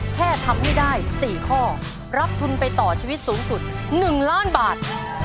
แค่ทำให้ได้๔ข้อรับทุนไปต่อชีวิตสูงสุด๑ล้านบาท